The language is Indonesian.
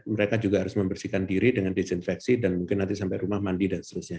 mereka juga harus membersihkan diri dengan disinfeksi dan mungkin nanti sampai rumah mandi dan seterusnya